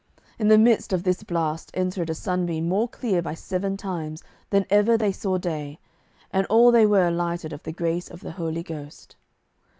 In the midst of this blast entered a sunbeam more clear by seven times than ever they saw day, and all they were alighted of the grace of the Holy Ghost.